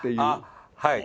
はい。